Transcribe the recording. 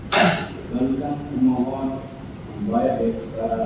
perkenalkan penolong membayar dari peradilan